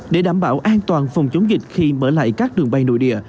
để đảm bảo an toàn phòng chống dịch khi mở lại các đường bay nội địa